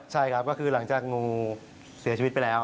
ใช่ครับก็คือหลังจากงูเสียชีวิตไปแล้ว